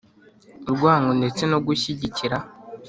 , urwango, ndetse no gushyigikira